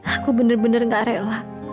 aku benar benar gak rela